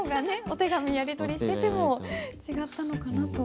お手紙やり取りしてても違ったのかなと。